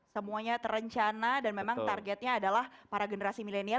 semuanya terencana dan memang targetnya adalah para generasi milenial